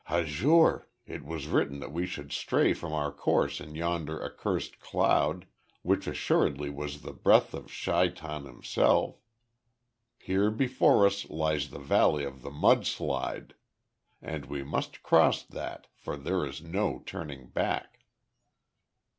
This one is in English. "Hazur, it was written that we should stray from our course in yonder accursed cloud, which assuredly was the breath of Shaitan himself. Here before us lies the Valley of the Mud slide. And we must cross that, for there is no turning back."